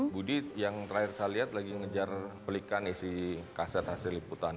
budi yang terakhir saya lihat lagi ngejar pelikan isi kaset hasil liputan